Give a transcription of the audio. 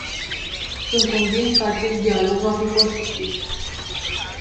Sunt convins că acest dialog va fi constructiv.